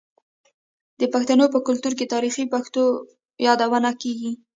د پښتنو په کلتور کې د تاریخي پیښو یادونه کیږي.